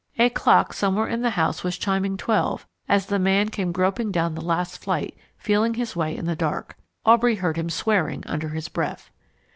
A clock somewhere in the house was chiming twelve as the man came groping down the last flight, feeling his way in the dark. Aubrey heard him swearing under his breath.